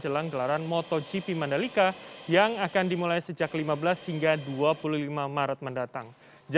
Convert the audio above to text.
jelang gelaran motogp madalikat delapan belas hingga dua puluh maret mendatang